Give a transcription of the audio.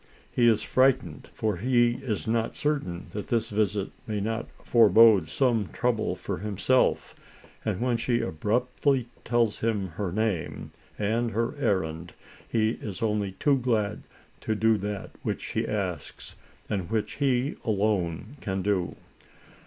He is frightened, for he is not certain that this visit may not fore bode some trouble for himself; and when she abruptly tells him her name, and her errand, he is only too glad to do that which she asks, and which he alone can do.